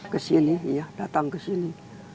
ketika datang ke sini